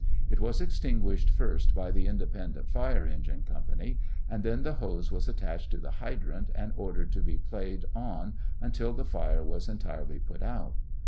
It was extinguished first by the Independent Fire Engine Company, and then the hose was attached to the Hydrant, and ofdered to be played on until the fire was entirely put out.